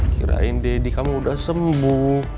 kirain deddy kamu udah sembuh